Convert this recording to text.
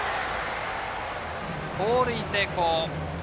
盗塁成功。